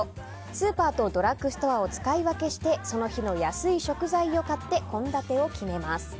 スーパーとドラッグストアを使い分けしてその日の安い食材を買って献立を決めます。